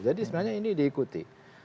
jadi sebenarnya ini diikuti